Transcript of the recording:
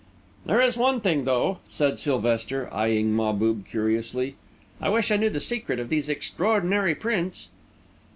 "There is one thing, though," said Sylvester, eyeing Mahbub curiously; "I wish I knew the secret of these extraordinary prints."